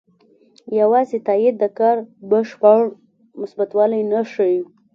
یوازې تایید د کار بشپړ مثبتوالی نه ښيي.